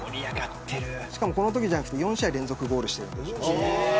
しかも、このときだけじゃなくて４試合連続でゴールしている。